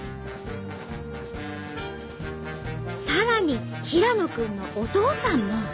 さらに平野君のお父さんも。